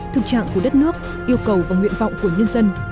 thực trạng của đất nước yêu cầu và nguyện vọng của nhân dân